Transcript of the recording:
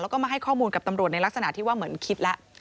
แล้วก็มาให้ข้อมูลกับตำรวจในลักษณะที่ว่าเหมือนคิดแล้ว